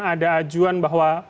ada ajuan bahwa